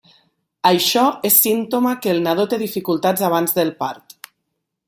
Això és símptoma que el nadó té dificultats abans del part.